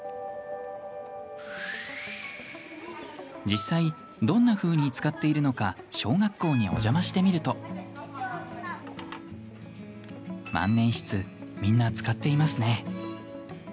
実際どんなふうに使っているのか小学校にお邪魔してみると万年筆、みんな使っていますね。